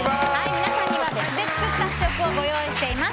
皆さんには別で作った試食をご用意しています。